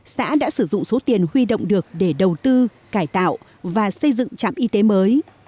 xã đã sử dụng số tiền huy động được để đầu tư cải tạo và xây dựng trạm y tế mới